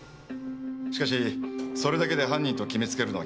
しかしそれだけで犯人と決め付けるのは危険ですね。